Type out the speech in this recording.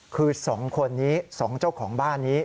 คือ๒คนนี้๒เจ้าของบ้านนี้